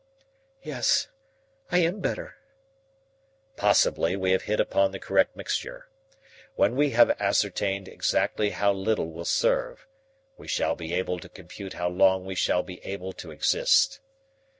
"Yes, I am better." "Possibly we have hit upon the correct mixture. When we have ascertained exactly how little will serve we shall be able to compute how long we shall be able to exist.